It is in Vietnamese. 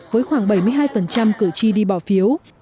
với khoảng bảy mươi hai cử tri đi bỏ phiếu